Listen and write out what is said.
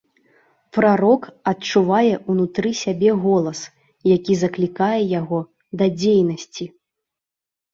Прарок адчувае ўнутры сябе голас, які заклікае яго да дзейнасці.